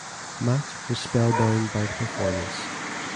Mat was "spellbound" by the performance.